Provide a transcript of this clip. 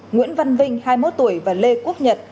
nguyễn văn vinh hai mươi một tuổi và lê quốc nhật